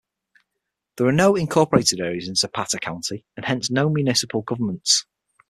There are no incorporated areas in Zapata County and hence no municipal governments.